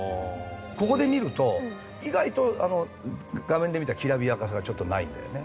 ここで見ると意外と画面で見たきらびやかさがちょっとないんだよね。